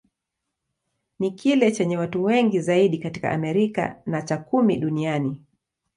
Ni kile chenye watu wengi zaidi katika Amerika, na cha kumi duniani.